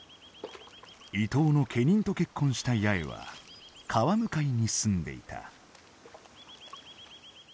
伊東の家人と結婚した八重は川向かいに住んでいた。